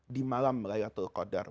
di malam laylatul qadar